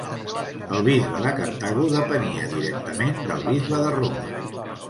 El bisbe de Cartago depenia directament del bisbe de Roma.